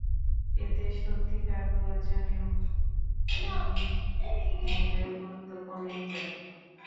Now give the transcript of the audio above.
এতে সত্যিকার প্রয়োজনেও ই মেইলের গুরুত্ব কমে যাবে।